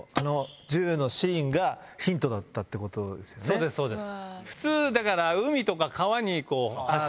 そうですそうです。